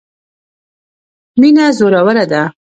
مینه زوروره ده.